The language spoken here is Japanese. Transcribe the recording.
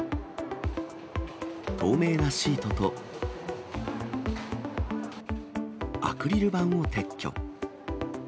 透明なシートとアクリル板を撤去。